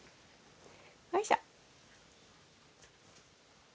おいしょ。